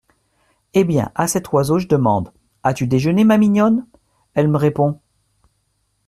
Eh bien, à cet oiseau, J’ demande : "As-tu déjeuné, ma mignonne ?" Ell’ me répond…